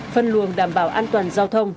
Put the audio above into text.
phân luồng đảm bảo an toàn giao thông